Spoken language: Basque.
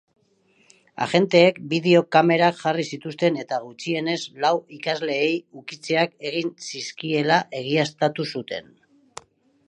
Agenteek bideo-kamerak jarri zituzten eta gutxienez lau ikasleei ukitzeak egin zizkiela egiaztatu zuten.